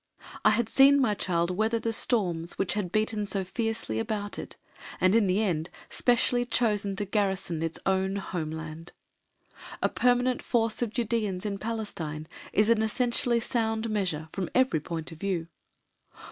I had seen my child weather the storms which had beaten so fiercely about it, and in the end specially chosen to garrison its own Home Land. A permanent force of Judæans in Palestine is an essentially sound measure from every point of view.